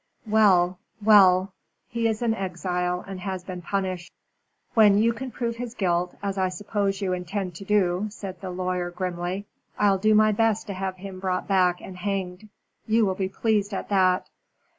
"Well! well! He is an exile and has been punished." "When you can prove his guilt, as I suppose you intend to do," said the lawyer, grimly, "I'll do my best to have him brought back and hanged. You will be pleased at that."